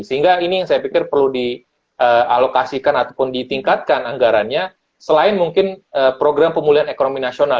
sehingga ini yang saya pikir perlu dialokasikan ataupun ditingkatkan anggarannya selain mungkin program pemulihan ekonomi nasional